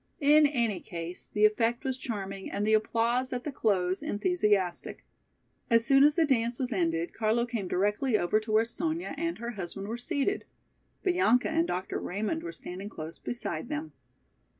In any case the effect was charming and the applause at the close enthusiastic. As soon as the dance was ended, Carlo came directly over to where Sonya and her husband were seated. Bianca and Dr. Raymond were standing close beside them.